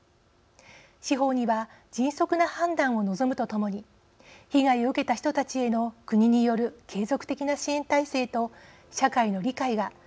司法には迅速な判断を望むとともに被害を受けた人たちへの国による継続的な支援体制と社会の理解が一層進むことが強く望まれます。